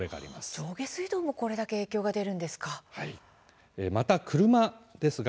上下水道もこれだけ影響が出るんですか。